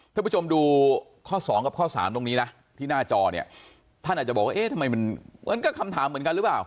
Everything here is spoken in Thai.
ท่านผู้ชมดูข้อ๒กับข้อ๓ตรงนี้นะที่หน้าจอเนี่ยท่านอาจจะบอกว่าเอ๊ะทำไมมันก็คำถามเหมือนกันหรือเปล่า